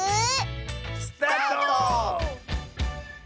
スタート！